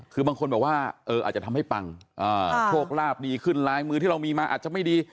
คือบางคนบอกว่าอาจจะทำให้ปังโชคลาภดีขึ้นลายมือที่เรามีมาอาจจะไม่ดี